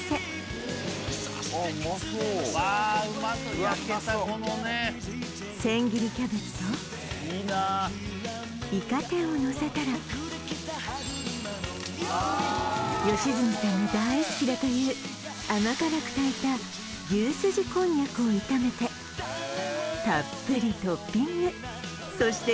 このね千切りキャベツとイカ天をのせたら良純さんが大好きだという甘辛く炊いた牛すじこんにゃくを炒めてたっぷりトッピングそして